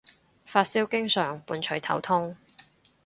發燒經常伴隨頭痛